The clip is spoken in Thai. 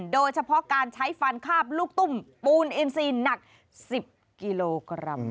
โดยเฉพาะการใช้ฟันคาบลูกตุ้มปูนอินซีหนัก๑๐กิโลกรัม